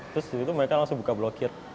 terus di situ mereka langsung buka blokir